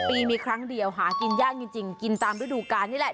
ปีมีครั้งเดียวหากินยากจริงกินตามฤดูกาลนี่แหละ